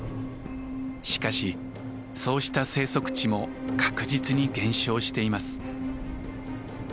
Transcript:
しかしそうした生息地も確実に減少しています。